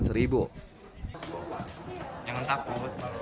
di kepulauan seribu